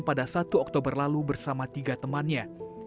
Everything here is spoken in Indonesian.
pada satu oktober lalu bersama tiga temannya